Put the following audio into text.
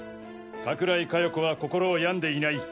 加倉井加代子は心を病んでいない。